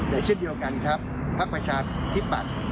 แต่เช่นเดียวกันครับภักดิ์ประชาธิปัตย์